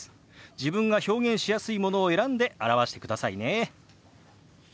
自分が表現しやすいものを選んで表してくださいね。